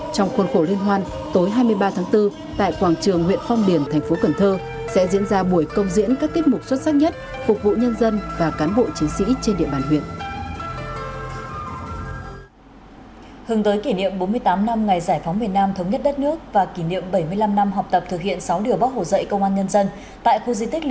trong khuôn khổ liên hoan tối hai mươi ba tháng bốn tại quảng trường huyện phong điển thành phố cần thơ sẽ diễn ra buổi công diễn các kết mục xuất sắc nhất phục vụ nhân dân và cán bộ chính sĩ trên địa bàn huyện